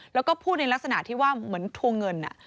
แล้วก็พูดในลักษณะที่ว่าเหมือนทวงเงิน